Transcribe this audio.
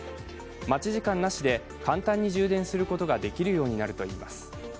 待ち時間なしで簡単に充電することができるようになるといいます。